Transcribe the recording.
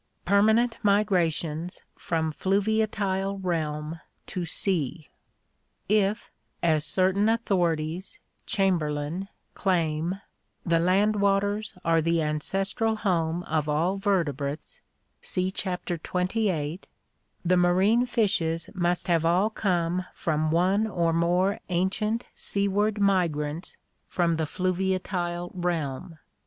Permanent Migrations from Fluviatile Realm to Sea. — If, as certain authorities (Chamberlin) claim, the land waters are the ancestral home of all vertebrates (see Chapter XXVIII), the marine fishes must have all come from one or more ancient sea ward migrants from the fluviatile realm.